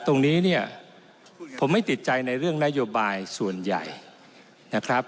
ตรงนี้เนี่ยผมไม่ติดใจในเรื่องนโยบายส่วนใหญ่นะครับ